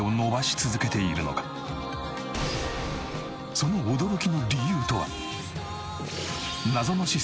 その驚きの理由とは。